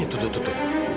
ini itu itu itu